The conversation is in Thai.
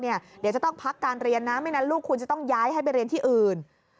เดี๋ยวจะต้องพักการเรียนนะไม่งั้นลูกคุณจะต้องย้ายให้ไปเรียนที่อื่น